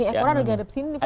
di ekornya ada di sini di depan